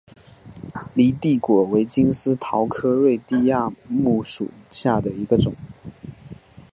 犁地果为金丝桃科瑞地亚木属下的一个种。